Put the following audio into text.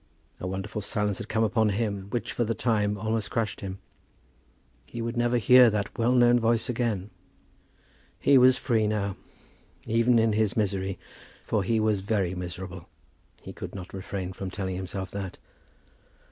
A wonderful silence had come upon him which for the time almost crushed him. He would never hear that well known voice again! He was free now. Even in his misery, for he was very miserable, he could not refrain from telling himself that.